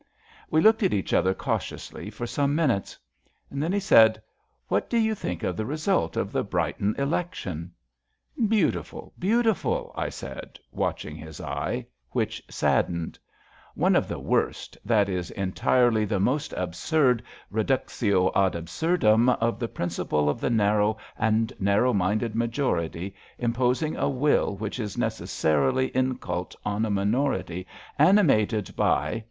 * We looked at each other cautiously for some miQutes. Then he said: What do you think of the result of the Brighton election? Beau tiful, beautiful,'* I said, watching his eye, which saddened. '' One of the worst — ^that is, entirely the most absurd reductio ad absurdum of the principle of the narrow and narrow minded ma jority imposing a will which is necessarily incult on a minority animated by